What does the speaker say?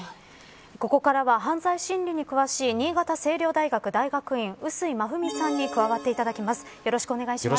ここからは、犯罪心理に詳しい新潟青陵大学大学院碓井真史さんに加わっていただきます。